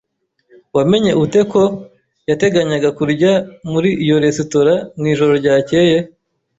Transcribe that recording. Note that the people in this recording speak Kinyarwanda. Wamenye ute ko yateganyaga kurya muri iyo resitora mwijoro ryakeye?